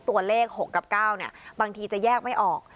ตัวเลข๖กับ๙บางทีจะแยกไม่ออก